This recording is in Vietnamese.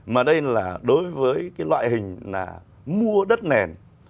mà đây là đối với cái loại hình là mua đất nền